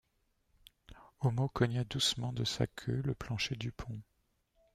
Homo cogna doucement de sa queue le plancher du pont.